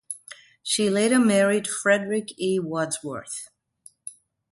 She later married Frederick E. Wadsworth.